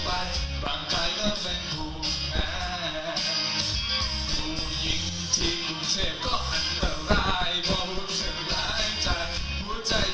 ถ้าไม่ได้ก็บอกน้องก็เต็มใจจะรักกัน